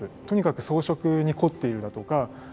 とにかく装飾に凝っているだとか